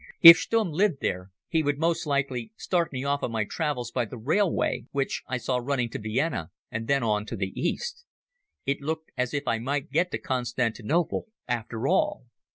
If Stumm lived there he would most likely start me off on my travels by the railway which I saw running to Vienna and then on to the East. It looked as if I might get to Constantinople after all.